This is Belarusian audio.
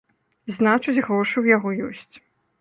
Значыць, грошы ў яго ёсць.